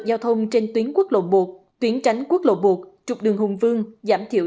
và ngay cả khi số tiền trong tài khoản không còn đủ